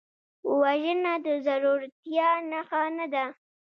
وژنه د زړورتیا نښه نه ده